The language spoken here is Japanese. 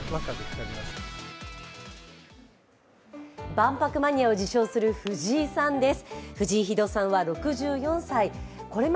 万博マニアを自称する藤井さんです。